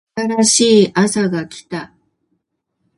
新しいあさが来た